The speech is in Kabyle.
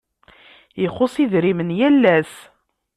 Ixuṣ idrimen yal ass.